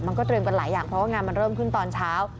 มันก็เตรียมกันหลายอย่างเพราะว่างานมันเริ่มขึ้นตอนเช้า